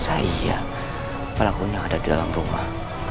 saya pelakunya yang ada di dalam rumah